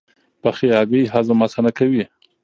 پخې هګۍ هضم اسانه کوي.